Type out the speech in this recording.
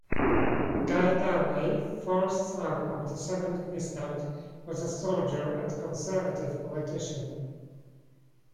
Guy Dawnay, fourth son of the seventh Viscount, was a soldier and Conservative politician.